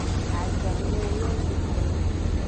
Ajanuwo yo nyawo.